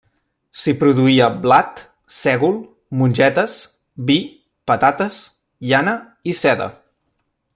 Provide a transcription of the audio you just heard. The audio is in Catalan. S'hi produïa blat, sègol, mongetes, vi, patates, llana i seda.